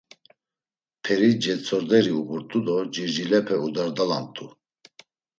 Peri cetzorderi uğurt̆u do cicilepe udardalamt̆u.